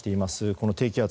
この低気圧